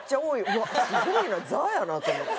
うわっすごいな「ＴＨＥ」やなと思って。